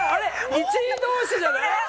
１位同士じゃない？